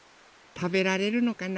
たべられるのかな。